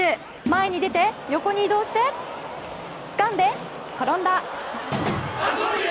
前に出て、横に移動してつかんで、転んだ！